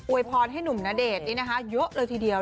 วยพรให้หนุ่มณเดชน์เยอะเลยทีเดียว